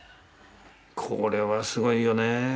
これはすごいよね